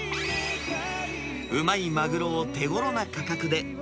うまいマグロを手ごろな価格で。